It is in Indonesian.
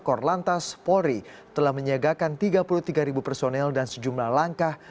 korlantas polri telah menyiagakan tiga puluh tiga personel dan sejumlah langkah